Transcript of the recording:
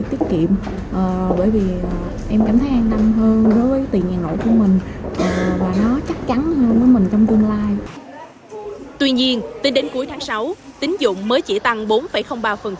tuy nhiên tính đến cuối tháng sáu tín dụng mới chỉ tăng bốn ba